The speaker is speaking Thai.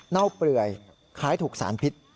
เน่าเปื่อยคล้ายถูกสารพิษ